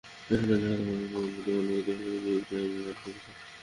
সেখানে লেখা থাকে ভালোবাসা, বন্ধুত্ব, মানবিকতা নিয়ে দুই চার লাইন কবিতা।